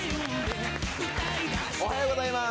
おはようございます